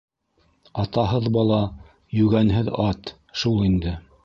- Атаһыҙ бала - йүгәнһеҙ ат шул инде.